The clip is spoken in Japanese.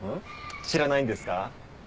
知らないんですか？